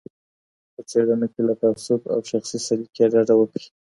په څېړنه کي له تعصب او شخصي سلیقې ډډه وکړئ.